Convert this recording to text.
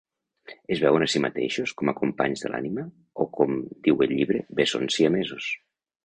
Es veuen a si mateixos com a companys de l'anima o, con diu el llibre "bessons siamesos".